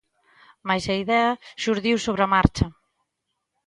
Mais a idea xurdiu sobre a marcha.